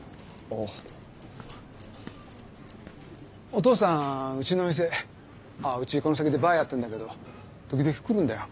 お父さんうちの店あうちこの先でバーやってるんだけど時々来るんだよ。